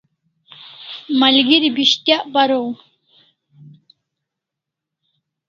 Malgeri pis'tyak paraw